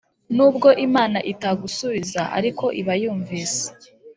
Nubwo imana itagusubiza ariko iba yumvise